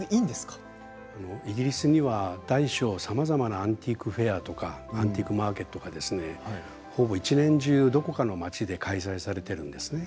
イギリスには大小さまざまなアンティークフェアとかアンティークマーケットがですねほぼ一年中、どこかの町で開催されているんですね。